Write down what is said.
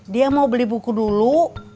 dia mau beli buku dulu